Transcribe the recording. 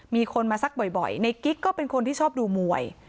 มีคนมาซักบ่อยในกิ๊กก็เป็นคนที่ชอบดูมวย